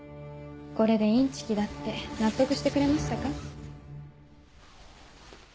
これでインチキだって納得してくれましたか？